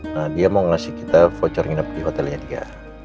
nah dia mau ngasih kita voucher nginap di hotelnya dia